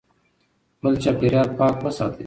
خپل چاپېریال پاک وساتئ.